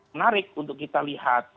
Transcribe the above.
menarik untuk kita lihat